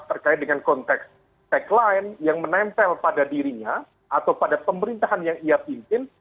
terkait dengan konteks tagline yang menempel pada dirinya atau pada pemerintahan yang ia pimpin